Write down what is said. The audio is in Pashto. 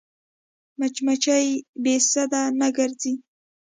مچمچۍ بې سده نه ګرځي